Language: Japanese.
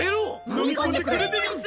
飲み込んでくれでうぃす。